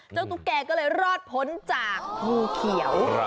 ตุ๊กแกก็เลยรอดพ้นจากงูเขียว